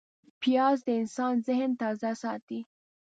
پیاز د انسان ذهن تازه ساتي